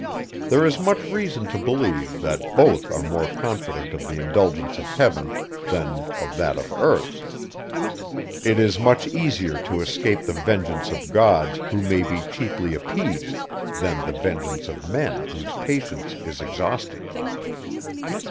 There is much reason to believe, that both are more confident of the indulgence of heaven, than of that of earth. It is much easier to escape the vengeance of gods who may be cheaply appeased, than the vengeance of men whose patience is exhausted.